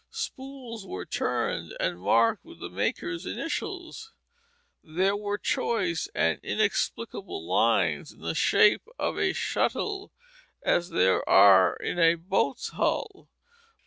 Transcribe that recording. Spools were turned and marked with the maker's initials. There were choice and inexplicable lines in the shape of a shuttle as there are in a boat's hull.